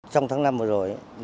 trong tháng năm vừa rồi